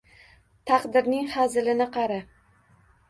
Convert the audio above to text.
— Taqdirning hazilini qara